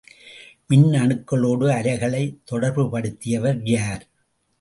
மின்னணுக்களோடு அலைகளை தொடர்புபடுத்தியவர் யார்?